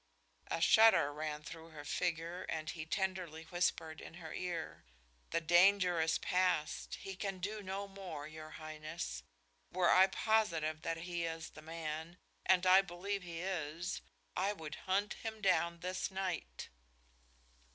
A shudder ran through her figure and he tenderly whispered in her ear: "The danger is past. He can do no more, your Highness. Were I positive that he is the man and I believe he is I would hunt him down this night."